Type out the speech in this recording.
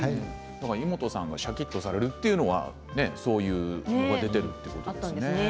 イモトさんがシャキっとされるというのはそういうものが出てるということなんですね。